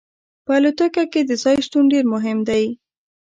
په الوتکه کې د ځای شتون ډیر مهم دی